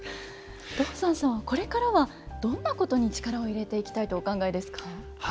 道山さんはこれからはどんなことに力を入れていきたいとお考えですか？